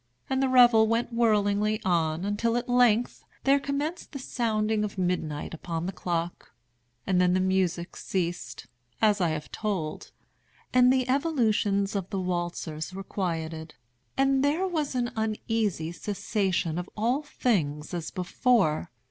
And the revel went whirlingly on, until at length there commenced the sounding of midnight upon the clock. And then the music ceased, as I have told; and the evolutions of the waltzers were quieted; and there was an uneasy cessation of all things as before.